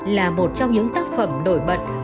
là một trong những tác phẩm nổi bật